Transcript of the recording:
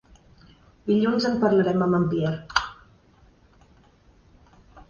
Dilluns en parlarem amb en Pierre.